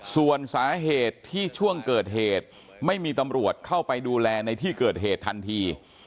ส่วนสาเหตุที่ช่วงเกิดเหตุไม่มีตำรวจเข้าไปดูแลในที่เกิดเหตุทันที